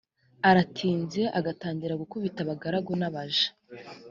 aratinze agatangira gukubita abagaragu n abaja